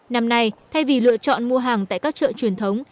năm nay thay vì lựa chọn mua hàng tại các chợ truyền thống